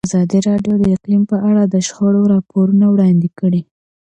ازادي راډیو د اقلیم په اړه د شخړو راپورونه وړاندې کړي.